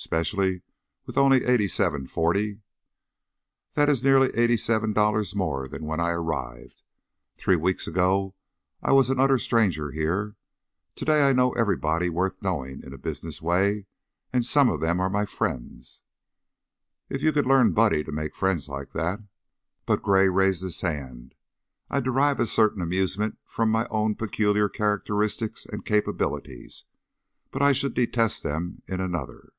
"'Specially with only eighty seven forty " "That is nearly eighty seven dollars more than I had when I arrived. Three weeks ago I was an utter stranger here; to day I know everybody worth knowing in a business way, and some of them are my friends." "If you could learn Buddy to make friends like that " But Gray raised his hand. "I derive a certain amusement from my own peculiar characteristics and capabilities, but I should detest them in another."